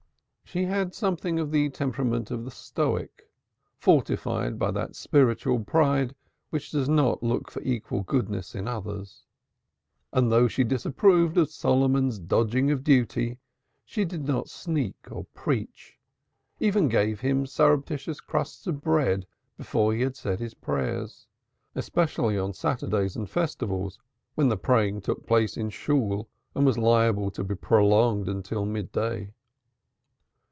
She had something of the temperament of the stoic, fortified by that spiritual pride which does not look for equal goodness in others; and though she disapproved of Solomon's dodgings of duty, she did not sneak or preach, even gave him surreptitious crusts of bread before he had said his prayers, especially on Saturdays and Festivals when the praying took place in Shool and was liable to be prolonged till mid day.